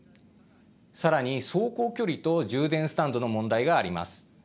さらに、走行距離と充電スタンドの問題があります。